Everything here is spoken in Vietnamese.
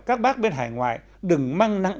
các bác bên hải ngoại đừng mang nặng